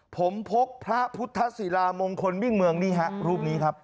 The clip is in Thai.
ผมพกพระพุทธศิลามงคลมิ่งเมืองนี่ฮะรูปนี้ครับ